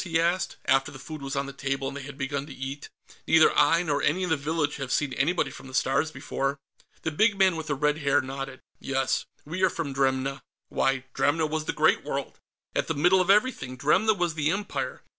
he asked, after the food was on the table and they had begun to eat. "Neither I nor any in the village have seen anybody from the Stars before." The big man with the red hair nodded. "Yes. We are from Dremna." Why, Dremna was the Great World, at the middle of everything! Dremna was the Empire.